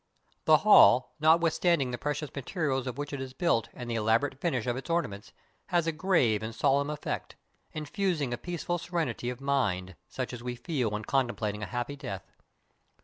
The hall, notwith standing the precious materials of which it is built, and the elaborate finish of its ornaments, has a grave and solemn effect, infusing a peaceful serenity of mind, such as we feel when contemplating a happy death.